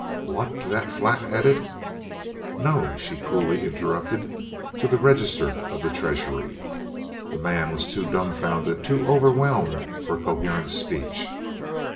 "What! To that flat headed " "No," she coolly interrupted, "to the Register of the Treasury." The man was too dumbfounded, too overwhelmed for coherent speech.